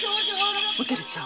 おてるちゃん